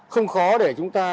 không khó để chúng ta